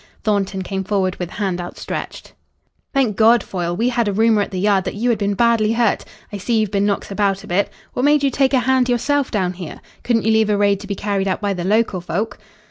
Thornton came forward with hand outstretched. "Thank God, Foyle! We had a rumour at the Yard that you had been badly hurt. I see you've been knocked about a bit. What made you take a hand yourself down here? Couldn't you leave a raid to be carried out by the local folk?"